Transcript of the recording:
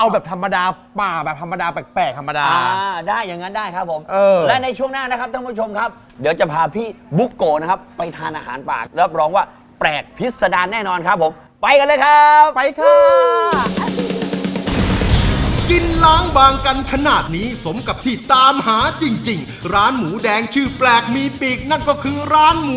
แบบภาพภาพภาพภาพภาพภาพภาพภาพภาพภาพภาพภาพภาพภาพภาพภาพภาพภาพภาพภาพภาพภาพภาพภาพภาพภาพภาพภาพภาพภาพภาพภาพภาพภาพภาพภาพภาพภาพภาพภาพภาพภาพภาพภาพภาพภาพภาพภาพภาพภาพภาพภาพภาพภาพ